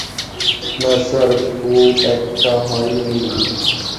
না স্যার, খুব একটা হয়নি।